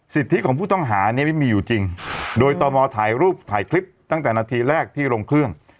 ที่ของผู้ต้องหาเนี่ยไม่มีอยู่จริงโดยตมถ่ายรูปถ่ายคลิปตั้งแต่นาทีแรกที่ลงเครื่อง